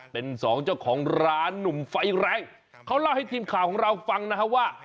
เป็นสองเจ้าของร้านหนุ่มไฟแรงเขาเล่าให้ทีมข่าวของเราฟังนะฮะว่า